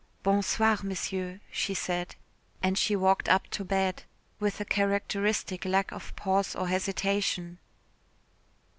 "Bon soir, Monsieur," she said, and she walked up to bed with a characteristic lack of pause or hesitation.